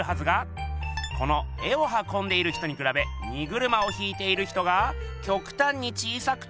この絵をはこんでいる人にくらべ荷車を引いている人がきょくたんに小さくて。